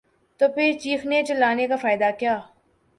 تو پھر چیخنے چلانے کا فائدہ کیا؟